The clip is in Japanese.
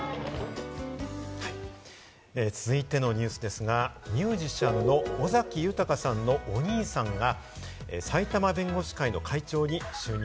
続いてのニュースですが、ミュージシャンの尾崎豊さんのお兄さんが、埼玉弁護士会の会長に就任。